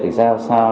để giao sao